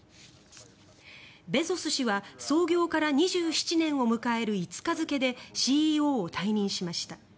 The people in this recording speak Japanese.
ベゾス氏は創業から２７年を迎える５日付でＣＥＯを退任しました。